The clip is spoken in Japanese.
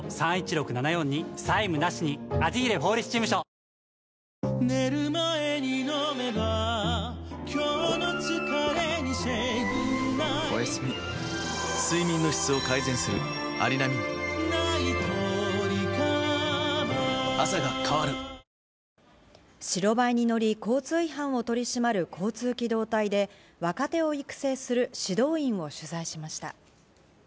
土屋容疑者は出頭時、白バイに乗り、交通違反を取り締まる交通機動隊で若手を育成する指導員を取材しました。